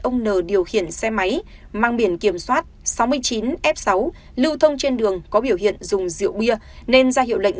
ông n điều khiển xe máy mang biển kiểm soát sáu mươi chín f sáu lưu thông trên đường có biểu hiện dùng rượu bia nên ra hiệu lệnh